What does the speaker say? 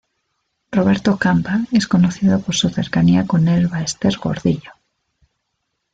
Roberto Campa es conocido por su cercanía con Elba Esther Gordillo.